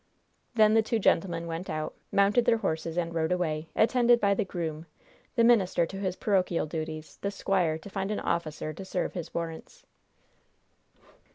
Then the two gentlemen went out, mounted their horses and rode away, attended by the groom the minister to his parochial duties, the squire to find an officer to serve his warrants.